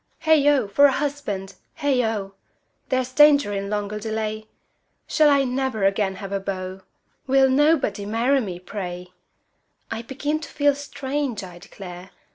Heigh ho! for a husband! Heigh ho! There's danger in longer delay! Shall I never again have a beau? Will nobody marry me, pray! I begin to feel strange, I declare!